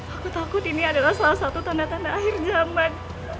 aku takut ini adalah salah satu tanda tanda akhir zaman